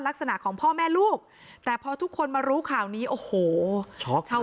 ลักษณะของพ่อแม่ลูกแต่พอทุกคนมารู้ข่าวนี้โอ้โหช็อกเช่า